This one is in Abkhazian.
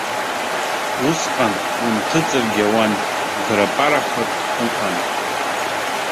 Усҟан унҭыҵыргьы ауан, грапарақәак ыҟан.